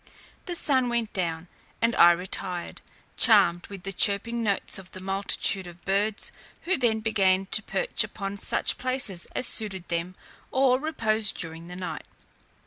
The sun went down, and I retired, charmed with the chirping notes of the multitude of birds, who then began to perch upon such places as suited them for repose during the night.